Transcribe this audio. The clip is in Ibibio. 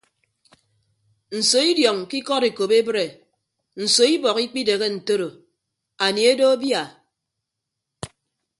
Nso idiọñ ke ikọd ekop ebre nso ibọk ikpidehe ntoro anie edo abia.